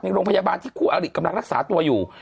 โรงพยาบาลที่คู่อริกำลังรักษาตัวอยู่